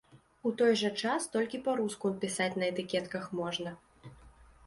У той жа час толькі па-руску пісаць на этыкетках можна.